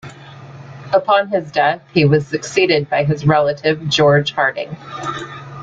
Upon his death he was succeeded by his relative George Harding.